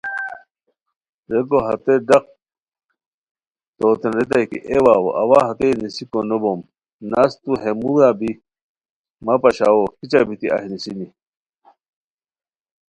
ریکو ہتے ڈاق توتین ریتائے کی اے واؤ اوا ہئے نیسیکو نو بوم، نست تو ہے موژا بی مہ پاشاوے کیچہ بیتی اہی نیسینی